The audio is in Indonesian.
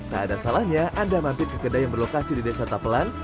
tak ada salahnya anda mampir ke kedai yang berlokasi di desa tapelan